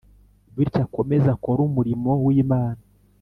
bityo akomeze akore umurimo w’imana